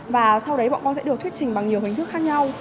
và sau đấy bọn con sẽ được thuyết trình bằng nhiều hình thức khác nhau